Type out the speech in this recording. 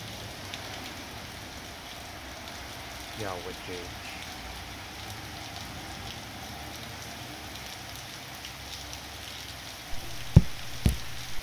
Yaawajeich.